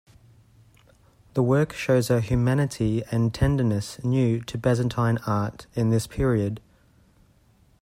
The work shows a humanity and tenderness new to Byzantine art in this period.